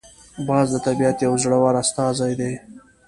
باز د طبیعت یو زړور استازی دی